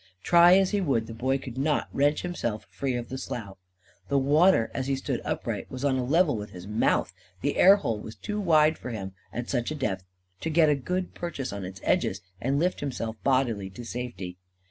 Try as he would, the Boy could not wrench himself free of the slough. The water, as he stood upright, was on a level with his mouth. The air hole was too wide for him, at such a depth, to get a good purchase on its edges and lift himself bodily to safety.